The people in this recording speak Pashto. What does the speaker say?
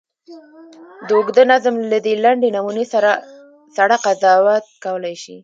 د اوږده نظم له دې لنډې نمونې سړی قضاوت کولای شي.